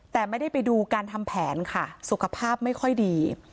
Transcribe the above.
แต่ไม่ได้ไปดูการทำแผนค่ะสุขภาพไม่ค่อยดี